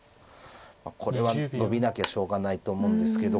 これはノビなきゃしょうがないと思うんですけど。